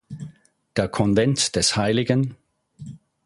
Der Konvent des hl.